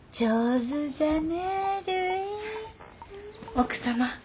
奥様。